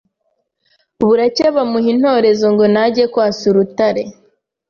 Buracya bamuha intorezo ngo najye kwasa urutare